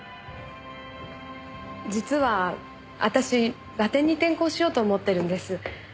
実は私ラテンに転向しようと思ってるんです。